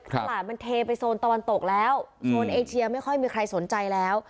ตลาดมันเทไปโซนตะวันตกแล้วโซนเอเชียไม่ค่อยมีใครสนใจแล้ว